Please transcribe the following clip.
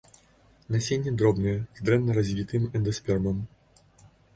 Насенне дробнае з дрэнна развітым эндаспермам.